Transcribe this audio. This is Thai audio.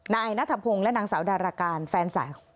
นายนัทพงศ์และนางสาวดาราการแฟนสาวของ